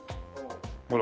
ほら。